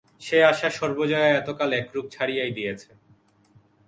সে আশা সর্বজয়া আজকাল একরূপ ছাড়িয়াই দিয়াছে।